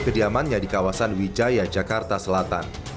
kediamannya di kawasan wijaya jakarta selatan